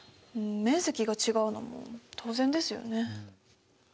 面積が違うのも当然ですよね。